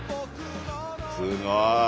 すごい！